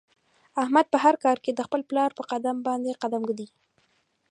احمد په هر کار کې د خپل پلار په قدم باندې قدم ږدي.